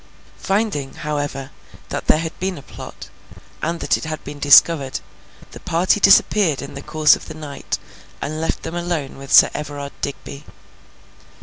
Finding, however, that there had been a plot, and that it had been discovered, the party disappeared in the course of the night, and left them alone with Sir Everard Digby.